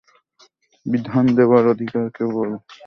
বিধান দেবার অধিকার কেবল আল্লাহরই।